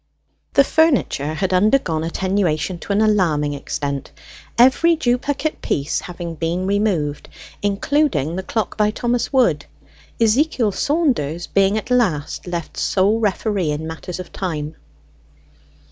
The furniture had undergone attenuation to an alarming extent, every duplicate piece having been removed, including the clock by Thomas Wood; Ezekiel Saunders being at last left sole referee in matters of time.